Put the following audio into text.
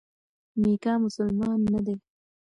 میکا مسلمان نه دی.